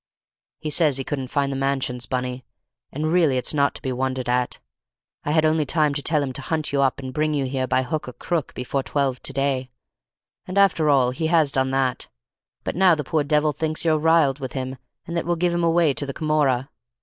"He says he couldn't find the mansions, Bunny, and really it's not to be wondered at. I had only time to tell him to hunt you up and bring you here by hook or crook before twelve to day, and after all he has done that. But now the poor devil thinks you're riled with him, and that we'll give him away to the Camorra."